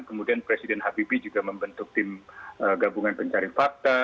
kemudian presiden habibie juga membentuk tim gabungan pencari fakta